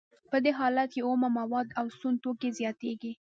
په دې حالت کې اومه مواد او سون توکي زیاتېږي